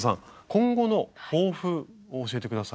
今後の抱負を教えて下さい。